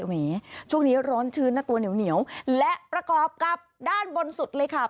แหมช่วงนี้ร้อนชื้นนะตัวเหนียวและประกอบกับด้านบนสุดเลยค่ะ